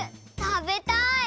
たべたい！